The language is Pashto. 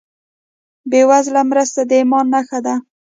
بېوزله مرسته د ایمان نښه ده.